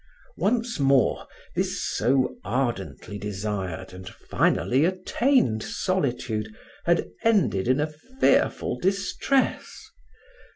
Once more, this so ardently desired and finally attained solitude had ended in a fearful distress.